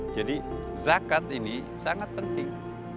jadi zakat ini sangat penting